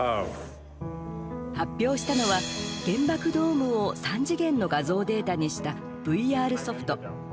発表したのは、原爆ドームを３次元の画像データにしたＶＲソフト。